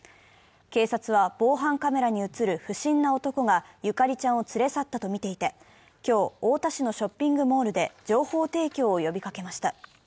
警察は、防犯カメラに映る不審な男がゆかりちゃんを連れ去ったとみていて今日、太田市のショッピングモールで情報提供を呼びかけました。